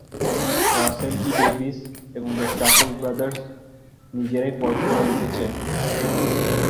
Rasel T Davies এবং the Chuckle Brothers নিজেরাই পর্বগুলো লিখেছেন।